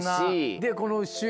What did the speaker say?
でこの。